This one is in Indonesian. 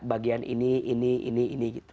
bagian ini ini ini